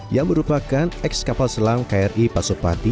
yang merupakan ex kapal selam kri pasopati